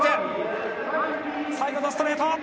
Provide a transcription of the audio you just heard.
最後のストレート。